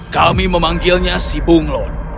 kami memanggilnya si bung lon